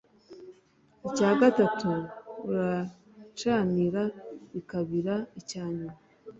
icya gatatu uracanira bikabira, icya nyuma